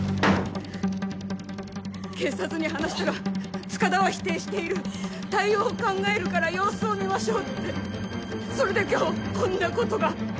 警察に話したら「塚田は否定している対応を考えるから様子を見ましょう」ってそれで今日こんなことが。